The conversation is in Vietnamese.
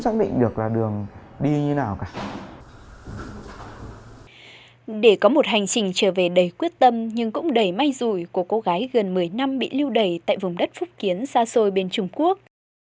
chương trình trở về đầy quyết tâm nhưng cũng đầy may rủi của cô gái gần một mươi năm bị lưu đầy tại vùng đất phúc kiến xa xôi bên trung quốc